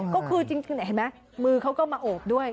ก็คือจริงเห็นไหมมือเขาก็มาโอบด้วย